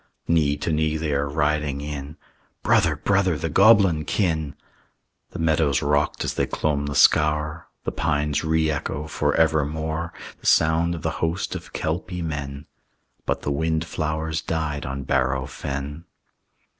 Knee to knee they are riding in: "Brother, brother, the goblin kin!" The meadows rocked as they clomb the scaur; The pines re echo for evermore The sound of the host of Kelpie men; But the windflowers died on Bareau Fen.